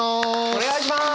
お願いします！